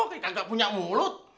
kita gak punya mulut